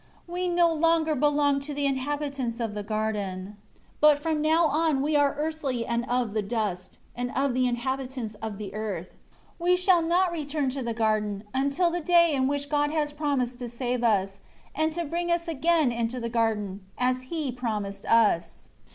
We no longer belong to the inhabitants of the garden; but from now on we are earthy and of the dust, and of the inhabitants of the earth. We shall not return to the garden, until the day in which God has promised to save us, and to bring us again into the garden, as He promised us."